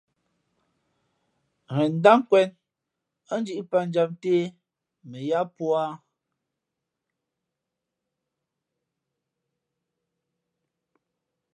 Ghen ndát nkwēn ά dǐʼ pǎtjam nté mα ǎ púá.